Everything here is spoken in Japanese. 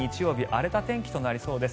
荒れた天気となりそうです。